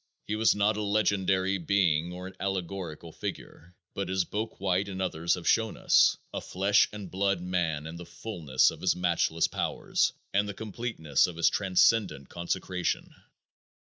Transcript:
He was not a legendary being or an allegorical figure, but as Bouck White and others have shown us, a flesh and blood Man in the fulness of his matchless powers and the completeness of his transcendent consecration.